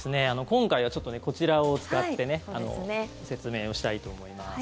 今回はこちらを使って説明をしたいと思います。